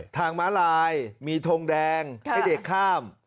ม้าลายมีทงแดงให้เด็กข้าม